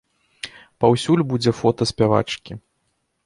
Паўсюль будзе фота спявачкі.